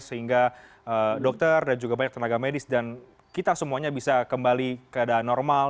sehingga dokter dan juga banyak tenaga medis dan kita semuanya bisa kembali keadaan normal